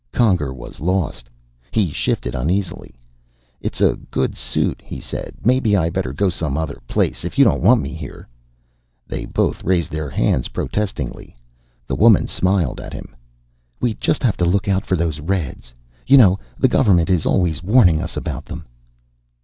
Conger was lost. He shifted uneasily. "It's a good suit," he said. "Maybe I better go some other place, if you don't want me here." They both raised their hands protestingly. The woman smiled at him. "We just have to look out for those Reds. You know, the government is always warning us about them."